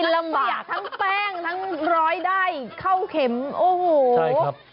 กินลำบากทั้งแป้งทั้งร้อยได้เข้าเข็มโอ้โหมีอีกใช่ครับ